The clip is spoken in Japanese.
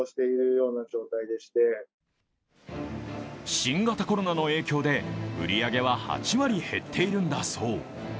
新型コロナの影響で、売り上げは８割減っているんだそう。